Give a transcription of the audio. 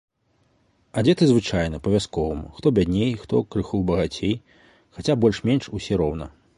Адзеты звычайна, па-вясковаму, хто бядней, хто крыху багацей, хаця больш-менш усе роўна.